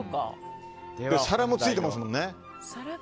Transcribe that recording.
皿もついていますもんね。